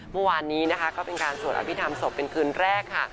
เมื่อวานนี้นะคะก็เป็นการสวดอภิษฐรรมศพเป็นคืนแรกค่ะ